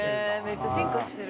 めっちゃ進化してる。